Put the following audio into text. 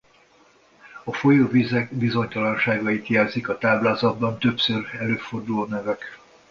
A folyóvizek bizonytalanságait jelzik a táblázatban többször előforduló nevek.